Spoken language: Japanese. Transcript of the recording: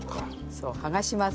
そう剥がします